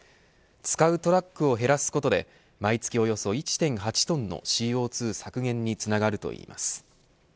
使うトラックを減らすことで毎月およそ１．８トンのＣＯ２削減につながるといいます。